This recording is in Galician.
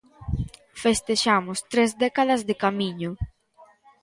Festexamos tres décadas de camiño.